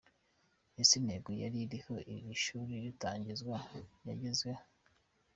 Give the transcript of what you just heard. Ese intego yari iriho iri shuri ritangizwa yagezweho?.